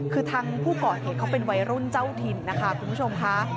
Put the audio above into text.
คือทางผู้ก่อเหตุเขาเป็นวัยรุ่นเจ้าถิ่นนะคะคุณผู้ชมค่ะ